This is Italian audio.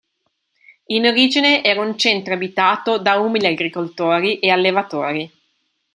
In origine era un centro abitato da umili agricoltori e allevatori.